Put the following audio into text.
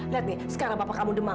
lihat nih sekarang bapak kamu demam